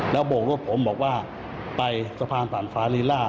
แล้วโบกรถผมบอกว่าไปสะพานผ่านฟ้าลีล่า